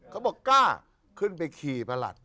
เขาบอกกล้าขึ้นไปขี่ประหลัด